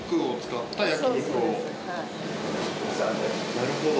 なるほど。